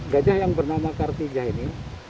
gajah yang bernama kartija ini